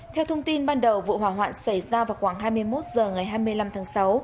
theo thông tin ban đầu vụ hỏa hoạn xảy ra vào khoảng hai mươi một h ngày hai mươi năm tháng sáu